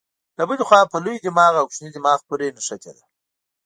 له بلې خوا په لوی دماغ او کوچني دماغ پورې نښتې ده.